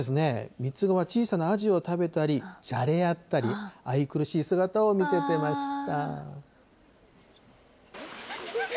３つ子は小さなアジを食べたり、じゃれ合ったり、愛くるしい姿を見せてました。